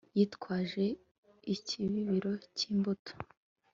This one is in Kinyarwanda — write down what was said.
yitwaje ikibibiro cy'imbuto